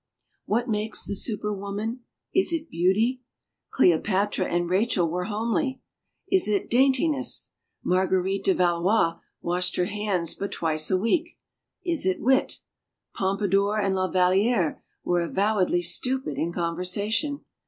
What makes the Super Woman? Is it beauty? Cleopatra and Rachel were homely. Is it daintiness? Marguerite de Valois washed her hands but twice a week. Is it wit? Pompadour and La Valliere were avowedly stupid in conversation.